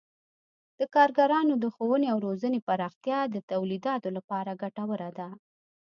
د کارګرانو د ښوونې او روزنې پراختیا د تولیداتو لپاره ګټوره ده.